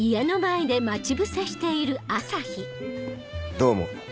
どうも。